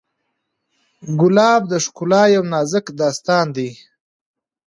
ګلاب د ښکلا یو نازک داستان دی.